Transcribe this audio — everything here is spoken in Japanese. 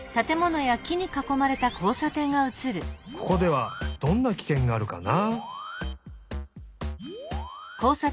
ここではどんなきけんがあるかな？